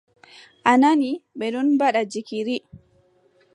A nani, ɓe ɗon mbaɗa jikiri.